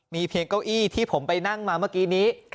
เพียงเก้าอี้ที่ผมไปนั่งมาเมื่อกี้นี้